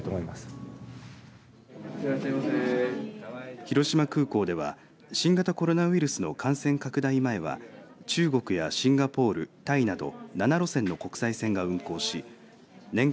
広島空港では新型コロナウイルスの感染拡大前は中国やシンガポールタイなど７路線の国際線が運航し年間